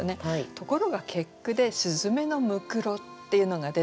ところが結句で「雀のむくろ」っていうのが出てくる。